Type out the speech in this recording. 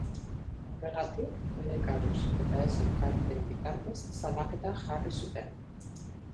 Horregatik, bere kabuz eta ez elkarteen bitartez, salaketa jarri zuten.